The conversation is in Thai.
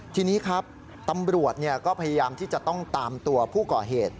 ทีนี้ครับตำรวจก็พยายามที่จะต้องตามตัวผู้ก่อเหตุ